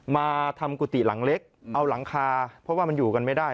มาทำกุฏิหลังเล็กเอาหลังคาเพราะว่ามันอยู่กันไม่ได้